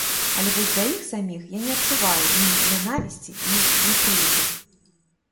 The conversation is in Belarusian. Але вось да іх саміх я не адчуваю ні нянавісці, ні непрыязі.